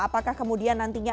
apakah kemudian nantinya